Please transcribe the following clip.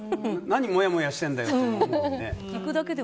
何もやもやしてるんだよってね。